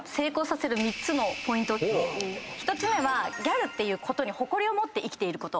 １つ目はギャルってことに誇りを持って生きていること。